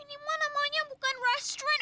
ini mah namanya bukan restoran